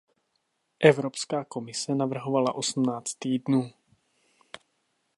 Evropská komise navrhovala osmnáct týdnů.